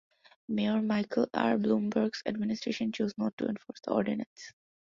Mayor Michael R. Bloomberg's administration chose not to enforce the ordinance.